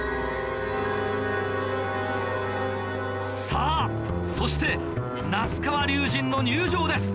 さぁそして那須川龍心の入場です。